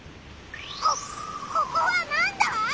こここはなんだ？